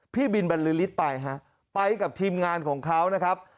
พี่บินบรรลือฤทธิ์ไปฮะไปกับทีมงานของเขานะครับ